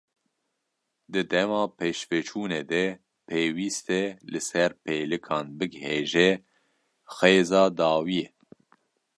Di dema pêşveçûnê de pêwîst e li ser pêlikan bighêje xêza dawiyê.